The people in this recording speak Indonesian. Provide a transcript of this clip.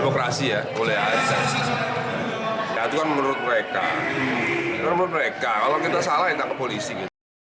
kalau kita salah kita ke polisi